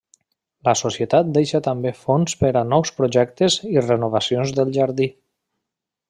La Societat deixa també fons per a nous projectes i renovacions del jardí.